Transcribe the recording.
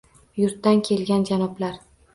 Yurtdan kelgan janoblar.